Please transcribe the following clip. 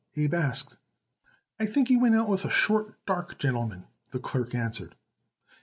Abe asked. "I think he went out with a short, dark gentleman," the clerk answered.